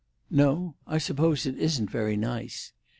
"No; I suppose it isn't very nice."